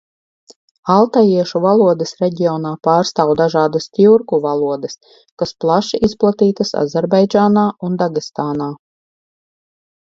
Altajiešu valodas reģionā pārstāv dažādas tjurku valodas, kas plaši izplatītas Azerbaidžānā un Dagestānā.